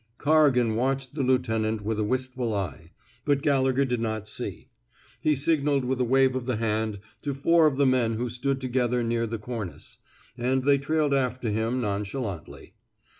Corrigan watched the lieutenant with a wistful eye, but Gallegher did not see. He signalled with a wave of the hand to four of the men who stood together near the cornice, and they trailed after him non chalantly.